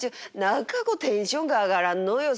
何かこうテンションが上がらんのよ。